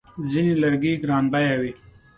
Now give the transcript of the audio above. ځینې لرګي ګرانبیه وي.